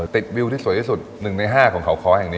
วิวที่สวยที่สุด๑ใน๕ของเขาค้อแห่งนี้